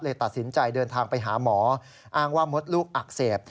ตัดสินใจเดินทางไปหาหมออ้างว่ามดลูกอักเสบ